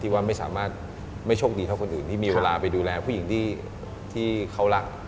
ว่าไม่สามารถไม่โชคดีเท่าคนอื่นที่มีเวลาไปดูแลผู้หญิงที่เขารัก